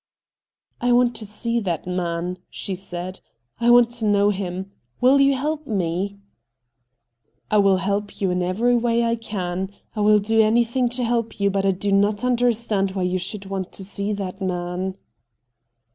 ' I want to see that man,' she said ;' I want to know him. Will you help me ?'' I will help you in every way I can. I will do anything to help you, but I do not understand why you should want to see that man.'